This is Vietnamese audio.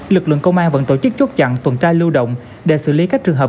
lực lượng công an vẫn tổ chức chốt chặn tuần tra lưu động để xử lý các trường hợp